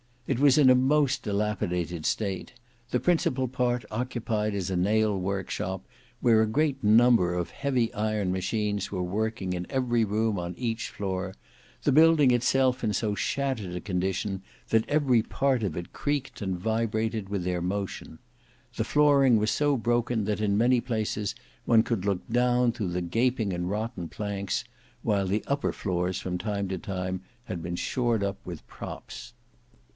It was in a most dilapidated state; the principal part occupied as a nail workshop, where a great number of heavy iron machines were working in every room on each floor; the building itself in so shattered a condition that every part of it creaked and vibrated with their motion. The flooring was so broken that in many places one could look down through the gaping and rotten planks, while the upper floors from time to time had been shored up with props.